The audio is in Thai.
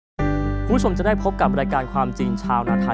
คุณผู้ชมจะได้พบกับรายการความจริงชาวนาไทย